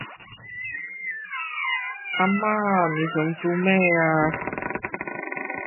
阿媽你想做咩？